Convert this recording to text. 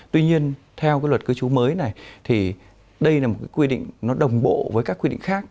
tuy nhiên theo cái luật cư trú mới này thì đây là một cái quy định nó đồng bộ với các quy định khác